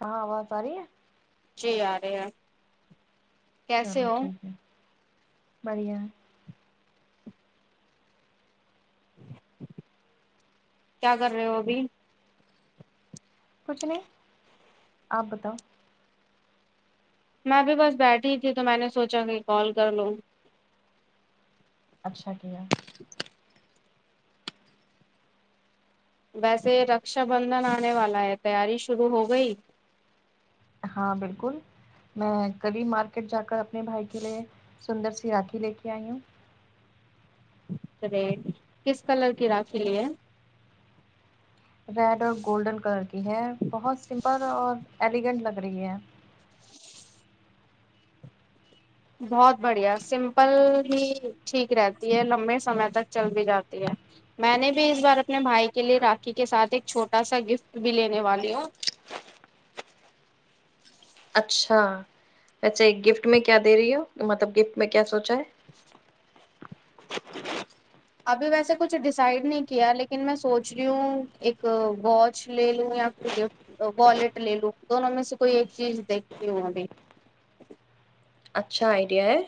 ہاں آواز س رہی ہے جی آ رہے ہے چلو ٹھیک ہے بڑھیا کیا کر رہے ہو ابھی کچھ نہیں آپ بتاؤ میں ابھی بس بیٹھی تھی تو میں نے سوچا کہ کال کر لوں اچھا کیا ویسے رکشا بندھن آنے والا ہے تیاری شروع ہو گئی ہاں بالکل میں کبھی مارکیٹ جا کر اپنے بھائی کے لیے سندر سی راکھی لے کے آئی ہوں ی کس کلر کی راکھی لی ہے ریڈ اور گولڈن کلر کی ہے بہت سمپل اور ایلیگینٹ لگ رہی ہے بہت بڑھیا سمپل ہی ٹھیک رہتی ہے لمبے سمے تک چل بھی جاتی ہے میں نے بھی اس بار اپنے بھائی کے لیے راکھی کے ساتھ ایک چھوٹا سا گفٹ بھی لینے والی ہوں اچھا ویسے ایک گفٹ میں کیا دے رہی ہو مطلب گفٹ میں کیا سوچا ہے جچ ابھی ویسے کچھ ڈیسائڈ نہیں کیا لیکن میں سوچ رہی ہوں ایک واچ لے لوں یا پھر لف والٹ لے لو دونوں میں سے کوئی ایک چیز دیکھتی ہوں ابھی اچھا آئیڈیا ہے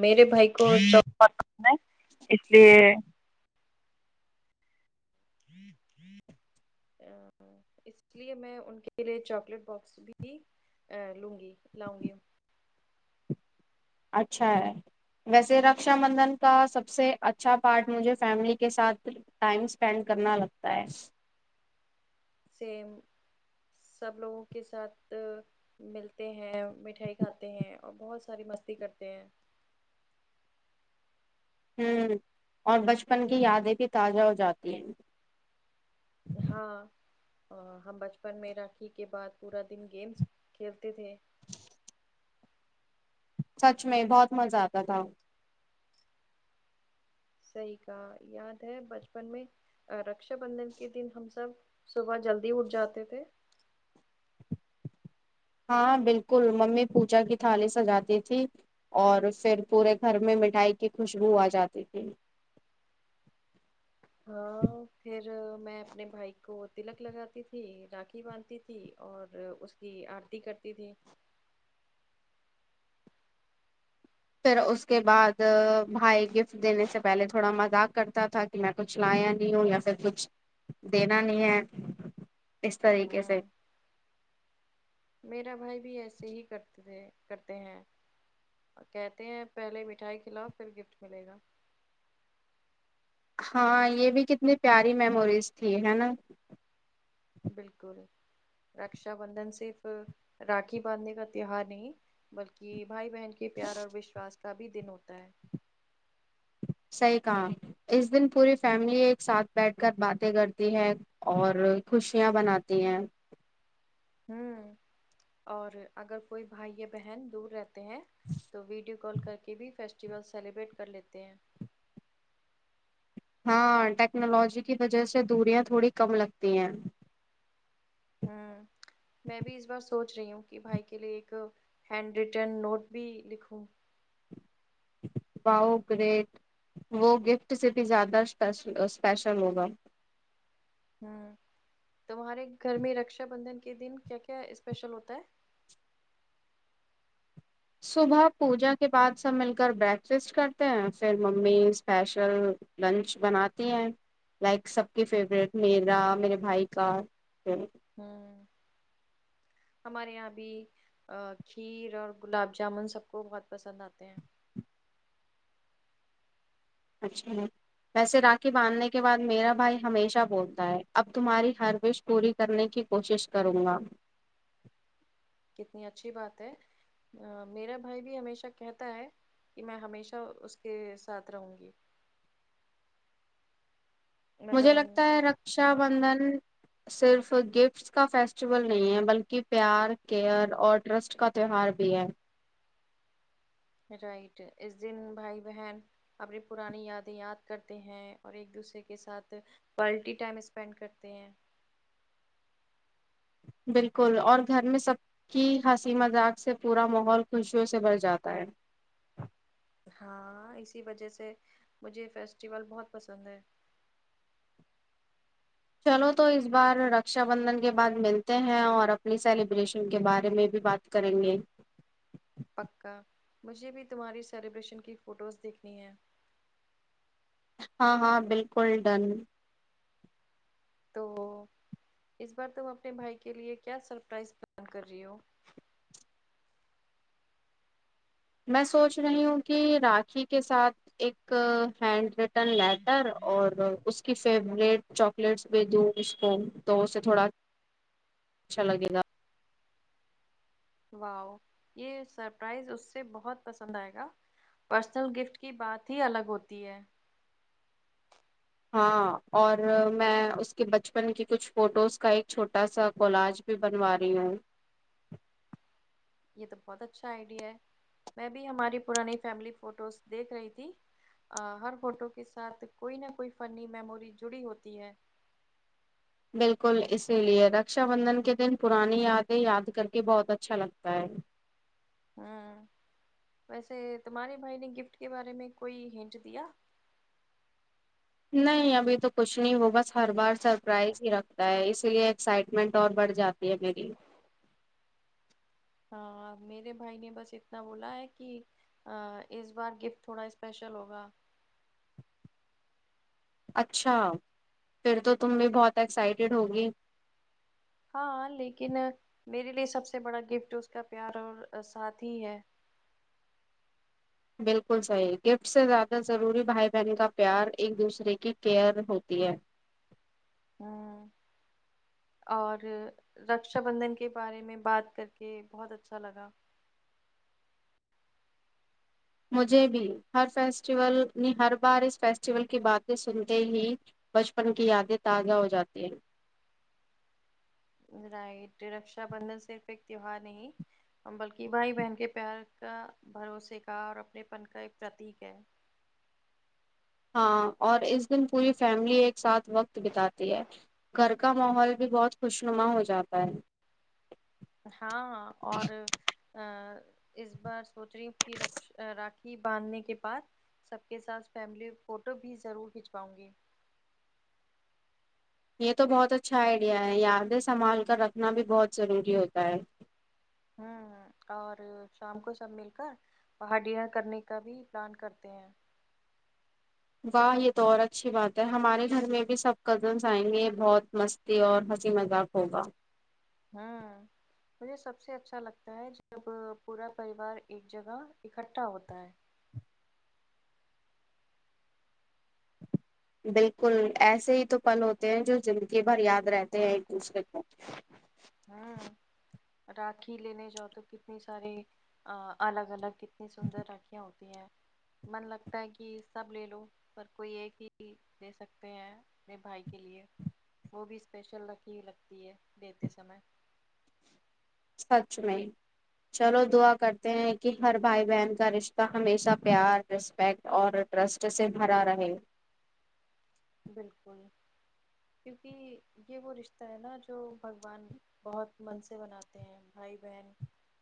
میرے بھائی کو جاب اس لیے ہوں ہوں اس لیے میں ان کے لیے چاکلیٹ باکس بھی لوں گی لاؤں گی اچھا ہے ویسے رکشا بندھن کا سب سے اچھا پارٹ مجھے فیملی کے ساتھ ٹائم اسپینڈ کرنا لگتا ہے سیم سب لوگوں کے ساتھ ملتے ہیں مٹھائی کھاتے ہیں اور بہت ساری مستی کرتے ہیں ہوں اور بچپن کی یادیں بھی تازہ ہو جاتی ہیں ہاں ہم بچپن میں راکھی کے بعد پورا دن گیمس کھیلتے تھے سچ میں بہت مزہ آتا تھا صحیح کاا یاد ہے بچپن میں رکشا بندھن کے دن ہم سب صبح جلدی اٹھ جاتے تھے ہاں بالکل ممی پوجا کی تھالی سجاتی تھی اور پھر پورے گھر میں مٹھائی کی خوشبو آ جاتی تھی ہاں پھر میں اپنے بھائی کو تلک لگاتی تھی راکاکھی باندھتی تھی اور اس آرتی کرتی تھی پھر اس کے بعد بھائی گفٹ دینے سے پہلے تھوڑا مذاق کرتا تھا کہ میں کچھ لایا نہیں ہوں یا پھر کچھ دینا نہیں ہے اس طریقے ہوں سے میرا بھائی بھی ایسے ہی کرتے تھے کرتے ہیں کہتے ہیں پہلے مٹھائی کےلاوف پھر گفٹ ملے گا ہاں یہ بھی کتنی پیاری میموریز تھی ہے نا بالکل رکشا بندھن صرف راکھی باندھنے کا تیوار نہیں بلکہ بھائی بہن کے پیار اور وشواس کا بھی دن ہوتا ہے صحیح کہا اس دن پوری فیملی ایک ساتھ بیٹھ کر باتیں کرتی ہے اور خوشیاں بناتی ہیں ہوں اور اگر کوئی بھائی یا بہن دور رہتا ہیں تو ویڈیو کال کر کے بھی فیسٹیول سیلیبریٹ کر لیتے ہیں ہاں ٹیکنالوجی کی وجہ سے دوریاں تھوڑی کم لگتی ہیں ہوں میں بھی اس بار سوچ رہی ہوں کہ بھائی کے لیے ایک ہینڈ ریٹرن نوٹ بھی لکھوں وؤ گریٹ وہ گفٹ سے بھی زیادہ اسپیشل ہوگا ہوں تمہارے گھر میں رکشا بندھن کے دن کیا کیا اسپیشل ہوتا ہے صبح پوجا کے بعد سب مل کر بریکفسٹ کرتے ہیں پھر ممی اسپیشل لنچ بناتی ہیں لائک سب کے فیوروریٹ میرا میرے بھائی کا ہوں ہمارے یہاں بھی کھیر اور گلاب جامن سب کو بہت پسند آتے ہیں اچھا ویسے راکھی باندھنے کے بعد میرا بھائی ہمیشہ بولتا ہے اب تمہاری ہر وش پوری کرنے کی کوشش کروں گا کتنی اچھی بات ہے میرا بھائی بھی ہمیشہ کہتا ہے کہ میں ہمیشہ اس کے ساتھ رہوں گی مطلب مجھے رہوں لگتا ہے گا. رکشا بندھن صرف گفٹ اس کا فیسٹیول نہیں ہے بلکہ پیار کیئر اور ٹرسٹ کا تیوہار بھی ہے رائٹ اس دن بھائی بہن اپنی پرانی یادیں یاد کرتے ہیں اور ایک دوسرے کے ساتھ پالٹی ٹائم اسپینڈ کرتے ہیں بالکل اور گھر میں سب کی ہنسی مذاق سے پورا ماحول خوشیوں سے بر جاتا ہے ہاں اسی وجہ سے مجھے فیسٹیول بہت پسند ہے چلو تو اس بار رکشا بندھن کے بعد ملتے ہیں اور اپنی سیلیبریشن کے بارے میں بھی بات کریں گے پکا مجھے بھی تمہاری سیلیبریشن کی فوٹوز دیکھنی ہے ہاں ہاں بالکل ڈن تو اس بار تم اپنے بھائی کے لیے کیا سرپرائز پلان کر رہی ہو میں سوچ رہی ہوں کہ راکھی کے ساتھ ایک ہینڈ رائ ٹن لیٹر اور اس کی فیورٹ چاکلیٹس بھی دوں اس کو تو اسے تھوڑا اچھا لگ گا واؤ یہ سرپرائز اس سے بہت پسند آئے گا پرسنل گفٹ کی بات ہی الگ ہوتی ہے ہاں اور میں اس کے بچپن کی کچھ فوٹوز کا ایک چھوٹا سا کلاج بھی بنوا رہی ہوں یہ تو بہت اچھا آئیڈیا ہے میں بھی ہماری پرانی فیملی فوٹوز دیکھ رہی تھی ہر فوٹو کے ساتھ کوئی نہ کوئی فنی میموری جڑی ہوتی ہے بالکل اسی لیے رکشا بندھن کے دن پرانی یادیں یاد کر کے بہت اچھا لگتا ہے ہوں ویسے تمہارے بھائی نے گفٹ کے بارے میں کوئی ہٹ دیا نہیں ابھی تو کچھ نہیں وہ بس ہر بار سرپرائز ہی رکھتا ہے اسی لیے ایکسائٹمنٹ اور بڑھ جاتا ج می ہاں میرے بھائی نے بس اتنا بولا ہے کہ اس بار گفٹ تھوڑا اسپیشل ہوگا اچھا پھر تو تم بھی بہت ایکسائٹیڈ ہوگی ہاں لیکن میرے لیے سب سے بڑا گفٹ اس کا پیار اور ساتھ ہی ہے بالکل صحیح گفٹ سے زیادہ ضروری بھائی بہن کا پیار ایک دوسرے کی کیئر ہوتی ہے ہاں اور رکشا بندھن کے بارے میں بات کر کے بہت اچھا لگا مجھے بھی ہر فیسٹیول ہر بار اس فیسٹیول کی باتیں سنتے ہی بچپن کی یادیں تازہ ہو جاتی ہیں رائٹ رکشا بندھن صرف ایک تیوار نہیں بلکہ بھائی بہن کے پیار کا بھروسے کا اور اپنے پن کا ایک پرتیک ہے ہاں اور اس دن پوری فیملی ایک ساتھ وقت بتاتی ہے گھر کا ماحول بھی بہت خوش نما ہو جاتا ہے ہاں اور ا اس بار سوچ رہی ہ کہ راکھی باندھنے کے بعد سب کے ساتھ فیملی فوٹو بھی ضرور کھنچواؤں گی یہ تو بہت اچھا آئیڈیا ہے یادیں سنبھال کر رکھنا بھی بہت ضروری ہوتا ہے ہوں اور شام کو سب مل کر پہاڑیاں کرنے کا بھی پلان کرتے ہیں واہ یہ تو اور اچھی بات ہے ہمارے گھر میں بھی سب کزنس آئیں گے یہ بہت مست اور ہنسی مذاق ہوگا ہاں مجھے سب سے اچھا لگتا ہے جب پورا پریوار ایک جگہ اکٹھا ہوتا ہے بالکل ایسے ہی تو پل ہوتے ہیں جو زندگی بھر یاد رہتے ہیں ایک دوسرے کو ہاں راکھی لینے جاؤ تو کتنی ساری الگ الگ اتنی سندر رھیاں ہوتی ہیں من لگتا ہے کہ سب لے لو پر کوئی ایک ہی لے سکتے ہیں اپنے بھائی کے لیے وہ بھی اسپیشل رکھی ہی لگتی ہے دیتے سمے سچ میں چلو دعا کرتے ہیں کہ ہر بھائی بہن کا رشتہ ہمیشہ پیار رسپیکٹ اور ٹرسٹ سے بھرا رہے بالکل کیونکہ یہ وہ رشتہ ہے نا جو بھگوان بہت من سے بناتے ہیں بھائی بہن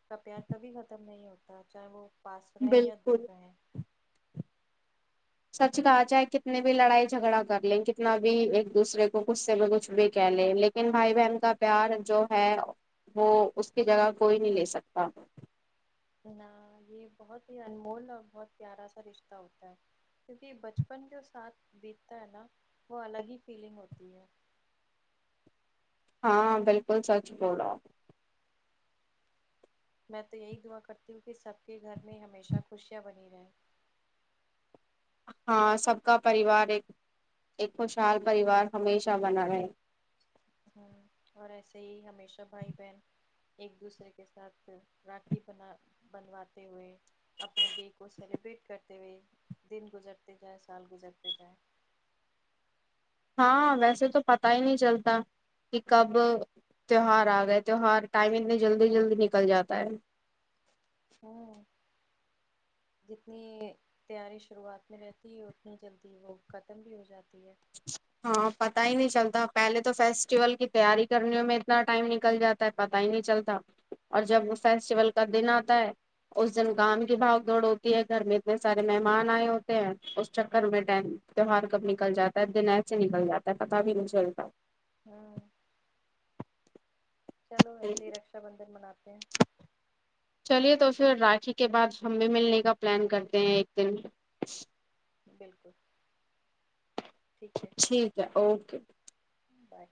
کا پیار کبھی ختم نہیں ہوتا چاہے وہ پاس رہیں یا بالکل دور رہیں سچ کہ ج ہے کتنی بھی لڑائی جھگڑا کر لیں کتنا بھی ایک دوسرے کو غصے میں کچھ بھی کہہ لیں لیکن انن بھائی بہن کا پیار جو ہے وہ اس کی جگہ کوئی نہیں لے سکتا نہ یہ بہت ہی انمول اور بہت پیارا سا رشتہ ہوتا ہے کیونکہ بچپن کے ساتھ بیتتا ہے نا وہ الگ ہی فیلنگ ہوتی ہے ہاں بالکل سچ بولو میں تو یہی دعا کرتی ہوں کہ سب کے گھر میں ہمیشہ خوشیاں بنی رہیں ہاں سب کا پریوار ایک ایک خوشحال پریوار ہمیشہ بنا رہے ہاں اور ایسے ہی ہمیشہ بھائی بہن ایک دوسرے کے ساتھ راکھی بنا بنواتے ہوئے اپنے ڈے کو سیلیبریٹ کرتے ہوئے دن گزرتے جائیں سال گزرتے جائیں ہاں ویسے تو پتا ہی نہیں چلتا کہ کب تیوہار آ گئے تیوہار ٹائم اتنے جلدی جلدی نکل جاتا ہے ہوں جتنی تیاری شروعات میں رہتی ہے اتنی جلدی وہ ختم بھی ہو جاتی ہے ہاں پتا ہی نہیں چلتا پہلے تو فیسٹیول کی تیاری کرنے میں اتنا ٹائم نکل جاتا پتا ہی نہیں چلتا اور جب فیسٹیول کا دن آتا ہے اس دن کام کی بھاگ دوڑ ہوتی ہے گھر میں اتنے سارے مہمان آئے ہوتے ہیں اس چکر میں ڈٹائم تیوار کب نکل جاتا ہے دن ای سے نکل جاتا ہے پت بھی نہیں چلتا ہاں چلو وسے ہی رکشا بندھن مناتے ہیں چلیے تو پھر راکھی کے بعد ہم بھی ملنے کا پلان کرتے ہیں ایک دن بالکل ٹھیک ہے ٹھیک ہے اوکے بائے